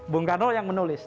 bung karno yang menulis